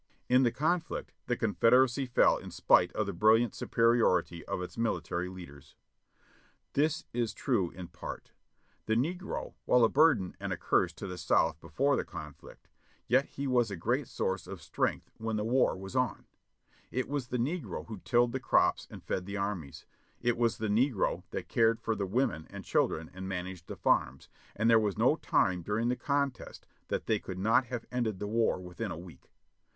"In the conflict the Confederacy feh in spite of the brilHant superiority of its mihtary leaders." (Lane's "Social Nation," p. I34 5 ) That is true in part; the negro, while a burden and a curse to the South before the conflict, yet he was a great source of strength when the war was on. It was the negro who tilled the crops and fed the armies. It was the negro that cared for the women and children and managed the farms ; and there was no time during the contest that they could not have ended the war within a week.